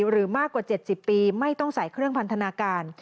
มากกว่า๗๐ปีไม่ต้องใส่เครื่องพันธนาการ